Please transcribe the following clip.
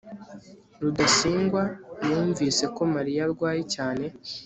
rudasingwa yumvise ko mariya arwaye cyane